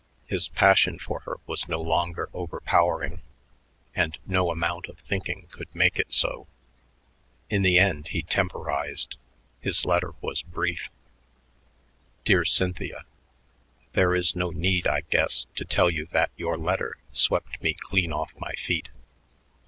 His passion for her was no longer overpowering, and no amount of thinking could make it so. In the end he temporized. His letter was brief. Dear Cynthia: There is no need, I guess, to tell you that your letter swept me clean off my feet.